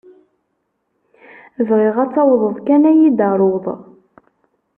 Bɣiɣ ad tawḍeḍ kan ad yi-d-taruḍ.